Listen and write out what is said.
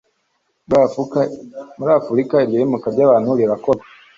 muri afurika iryo yimuka ry abantu rirakorwa